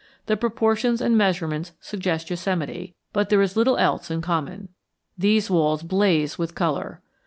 The proportions and measurements suggest Yosemite, but there is little else in common. These walls blaze with color.